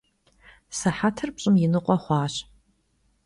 Sıhetır pş'ım yi nıkhue xhuaş.